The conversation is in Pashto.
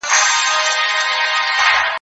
زه به سبا د ښوونځي کتابونه مطالعه کوم!